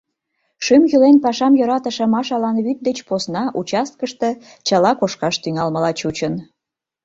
Шӱм йӱлен пашам йӧратыше Машалан вӱд деч посна участкыште чыла кошкаш тӱҥалмыла чучын.